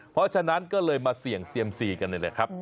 เพราะฉะนั้นก็เลยมาเสี่ยงเซียมซีกันนี่แหละครับ